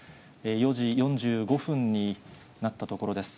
４時４５分になったところです。